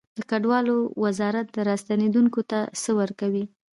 د کډوالو وزارت راستنیدونکو ته څه ورکوي؟